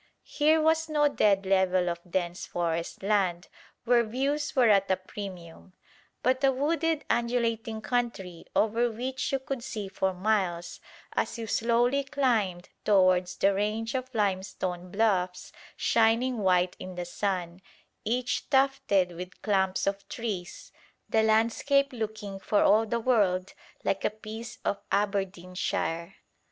Here was no dead level of dense forest land where views were at a premium, but a wooded undulating country over which you could see for miles as you slowly climbed towards the range of limestone bluffs shining white in the sun, each tufted with clumps of trees, the landscape looking for all the world like a piece of Aberdeenshire.